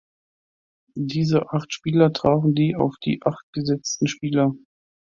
Diese acht Spieler trafen die auf die acht gesetzten Spieler.